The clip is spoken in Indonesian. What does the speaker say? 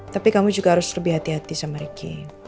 tapi kamu juga harus lebih hati hati sama ricky